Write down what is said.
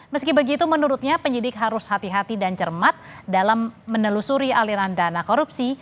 meski begitu menurutnya penyidik harus hati hati dan cermat dalam menelusuri aliran dana korupsi